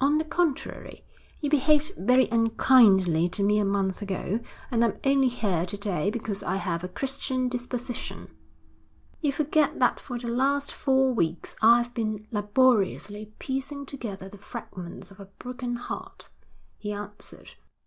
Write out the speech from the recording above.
'On the contrary, you behaved very unkindly to me a month ago, and I'm only here to day because I have a Christian disposition.' 'You forget that for the last four weeks I've been laboriously piecing together the fragments of a broken heart,' he answered.